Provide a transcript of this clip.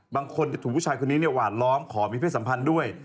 บางคนจะถูกผู้ชายคนนี้หวาดล้อมขอมีเพศสัมพันธ์ด้วย